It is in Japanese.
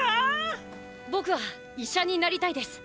僕は医者になりたいです。